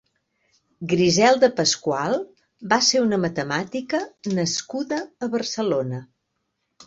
Griselda Pascual va ser una matemàtica nascuda a Barcelona.